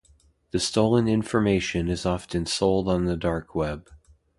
The stolen information is often sold on the dark web.